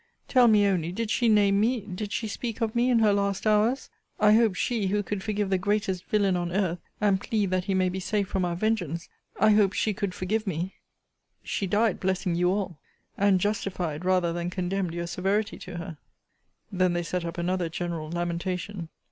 Tell me only, did she name me, did she speak of me, in her last hours? I hope she, who could forgive the greatest villain on earth, and plead that he may be safe from our vengeance, I hope she could forgive me. She died blessing you all; and justified rather than condemned your severity to her. Then they set up another general lamentation.